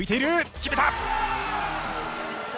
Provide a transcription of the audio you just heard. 決めた！